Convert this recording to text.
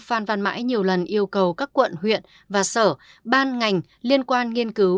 phan văn mãi nhiều lần yêu cầu các quận huyện và sở ban ngành liên quan nghiên cứu